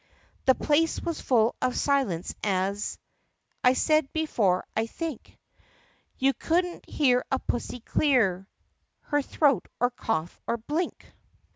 The place was full of silence as I said before, I think; You could n't hear a pussy clear Her throat, or cough, or blink.